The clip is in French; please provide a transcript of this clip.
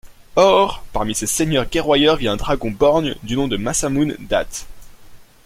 Or, parmi ces seigneurs guerroyeurs vit un dragon borgne du nom de Masamune Date.